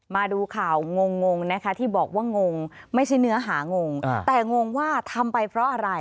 มาดูข่าวงงนะคะที่บอกว่างงไม่ใช่เนื้อหางงแต่งงว่าทำไปเพราะอะไร